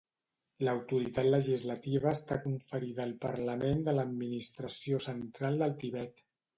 L'autoritat legislativa està conferida al Parlament de l'Administració Central del Tibet.